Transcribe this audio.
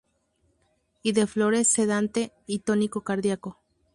Y de flores sedante y tónico cardíaco.